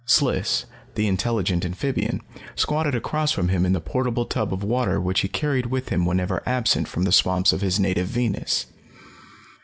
Sliss, the intelligent amphibian, squatted across from him in the portable tub of water which he carried with him whenever absent from the swamps of his native Venus.